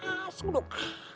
ajak masuk dong